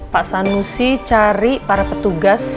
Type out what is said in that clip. pak sanusi cari para petugas